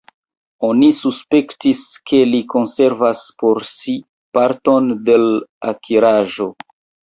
Oni suspektis, ke li konservas por si parton de l' akiraĵo.